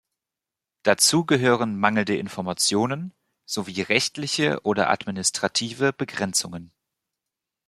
Dazu gehören mangelnde Informationen sowie rechtliche oder administrative Begrenzungen.